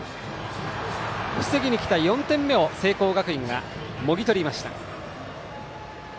防ぎに来た４点目を聖光学院がもぎ取りました。